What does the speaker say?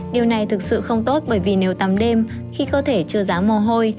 điều này thực sự không tốt bởi vì nếu tắm đêm khi cơ thể chưa dám mồ hôi